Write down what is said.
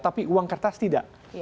tapi uang kertas tidak